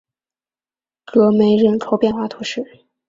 戈梅人口变化图示